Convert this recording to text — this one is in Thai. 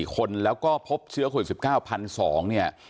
๖๓๑๔คนแล้วก็พบเชื้อโคตร๑๙๒๐๐